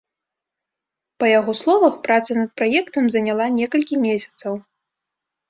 Па яго словах, праца над праектам заняла некалькі месяцаў.